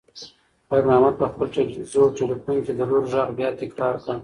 خیر محمد په خپل زوړ تلیفون کې د لور غږ بیا تکرار کړ.